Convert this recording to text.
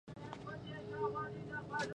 قابله ګي ښه مسلک دی